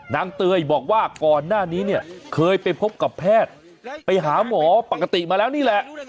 เตยบอกว่าก่อนหน้านี้เนี่ยเคยไปพบกับแพทย์ไปหาหมอปกติมาแล้วนี่แหละ